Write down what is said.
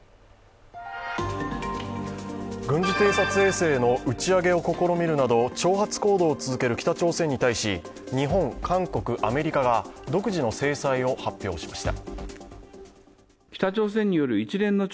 軍事偵察衛星の打ち上げを試みるなど挑発行動を続ける北朝鮮に対し日本、韓国、アメリカが独自の制裁を発表しました。